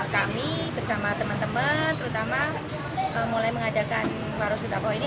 kami bersama teman teman terutama mulai mengadakan warung sudakoh ini